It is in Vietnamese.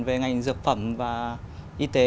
về ngành dược phẩm và y tế